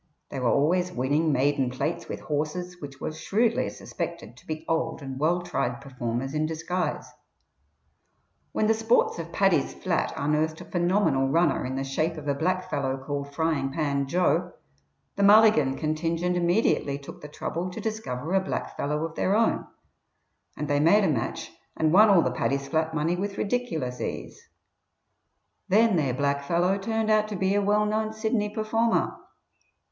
They were always winning maiden plates with horses which were shrewdly suspected to be old and well tried performers in disguise. When the sports of Paddy's Flat unearthed a phenomenal runner in the shape of a blackfellow called Frying pan Joe, the Mulligan contingent immediately took the trouble to discover a blackfellow of their own, and they made a match and won all the Paddy's Flat money with ridiculous ease; then their blackfellow turned out to be a well known Sydney performer.